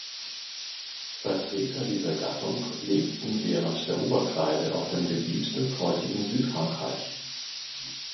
Vertreter dieser Gattung lebten während der Oberkreide auf dem Gebiet des heutigen Südfrankreich.